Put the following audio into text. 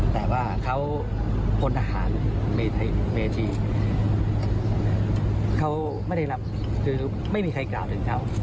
แต่ว่าเขาพลทหารเมธีเขาไม่ได้รับคือไม่มีใครกล่าวถึงเขา